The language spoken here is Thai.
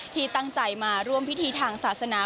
ที่ตั้งใจมาร่วมพิธีทางศาสนา